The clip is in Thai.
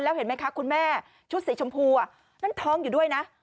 แล้วเห็นไหมคะคุณแม่ชุดสีชมพูนั่นท้องอยู่ด้วยนะ